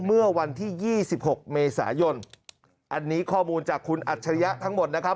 เมื่อวันที่ยี่สิบหกเมษายนอันนี้ข้อมูลจากคุณอัจฉริยะทั้งหมดนะครับ